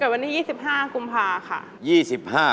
วันที่๒๕กุมภาค่ะ